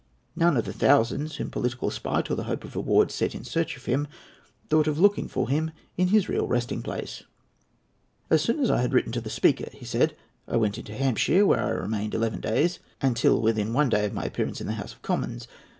None of the thousands whom political spite or the hope of reward set in search of him thought of looking for him in his real resting place. "As soon as I had written to the Speaker," he said, "I went into Hampshire, where I remained eleven days, and till within one day of my appearance in the House of Commons.